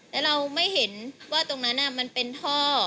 แล้วเราไม่เห็นว่าตรงนั้นมันเป็นท่อ